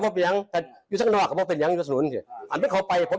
มาเปิดหลังแต่ยึู้สักหน้าก็ไม่เป็นยังรู้สูงค่ะอันจะเข้าไปผมก็บอก